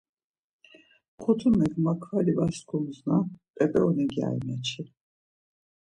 Kotumepek makvali var skumsna, p̌ep̌eroni gyari meçi.